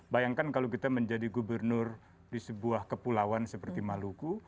bayangkan kalau kita menjadi gubernur di sebuah kepulauan seperti maluku